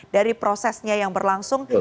dari prosesnya yang berlangsung